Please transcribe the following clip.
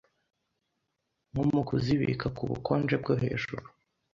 nko mu kuzibika ku bukonje bwo hejuru,